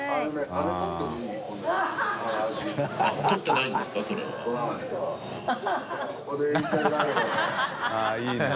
あっいいね。